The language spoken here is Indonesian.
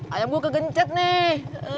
ayam gua kegencet nih